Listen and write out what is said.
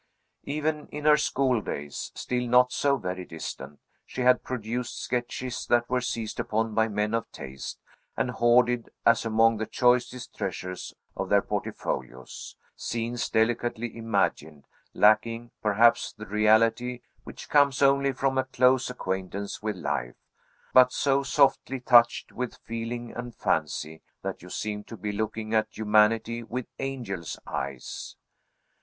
Even in her schooldays still not so very distant she had produced sketches that were seized upon by men of taste, and hoarded as among the choicest treasures of their portfolios; scenes delicately imagined, lacking, perhaps, the reality which comes only from a close acquaintance with life, but so softly touched with feeling and fancy that you seemed to be looking at humanity with angels' eyes.